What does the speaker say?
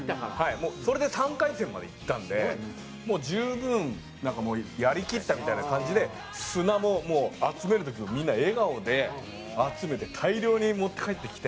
もうそれで３回戦まで行ったんで十分なんかもうやりきったみたいな感じで砂ももう集める時もみんな笑顔で集めて大量に持って帰ってきて。